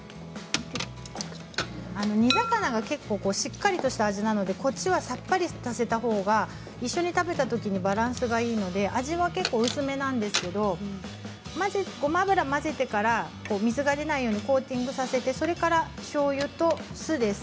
煮魚が結構しっかりとした味なので、こっちはさっぱりさせたほうが一緒に食べたときにバランスがいいので味は結構薄めなんですけどごま油を混ぜてから水が出ないようにコーティングさせて、それから、しょうゆとお酢です。